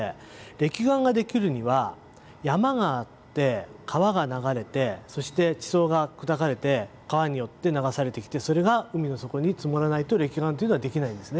れき岩ができるには山があって川が流れてそして地層が砕かれて川によって流されてきてそれが海の底に積もらないとれき岩というのはできないんですね。